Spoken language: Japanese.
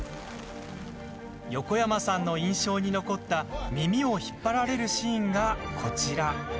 横山さんの印象に残った耳を引っ張られるシーンがこちら。